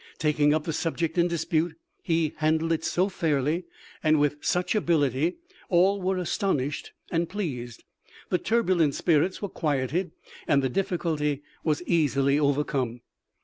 Taking up the subject in dispute, he handled it so fairly and with such ability, all were astonished and pleased." The turbulent spirits were quieted and the difificulty was easily overcome.